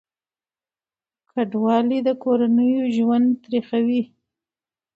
کډوالي د کورنیو ژوند تریخوي.